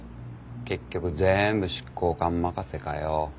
結局ぜーんぶ執行官任せかよ。